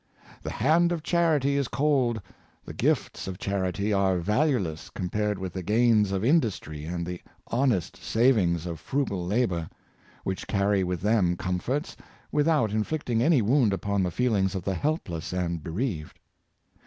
^ The hand of charity is cold, the gifts of charity are valueless compared with the gains of industry and the honest savings of frugal labor, which carry with them comforts, without inflict ing any wound upon the feelings of the helpless and be reaved.